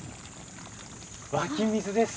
湧き水です。